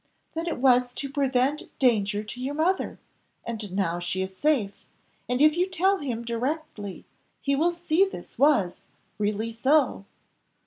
"That it was to prevent danger to your mother, and now she is safe; and if you tell him directly, he will see this was, really so."